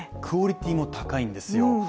クオリティも高いんですよ。